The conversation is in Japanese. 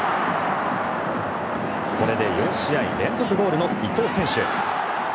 これで４試合連続ゴールの伊東選手。